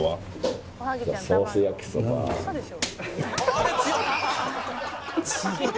「あれ強っ！